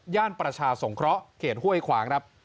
ประชาสงเคราะห์เขตห้วยขวางครับ